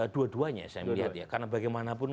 dua duanya saya melihat ya karena bagaimanapun